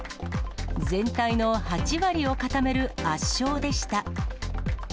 全体の８割を固める圧勝でした。